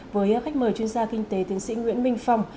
với khách mời chuyên gia kinh tế tiến sĩ nguyễn minh phong